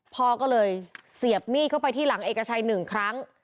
พ่อก็เลยเสียบมีดเข้าไปที่หลังเอกชัยหนึ่งครั้ง